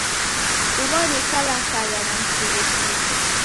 Ugho ni karakara na msughusiko.